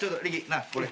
なあこれ。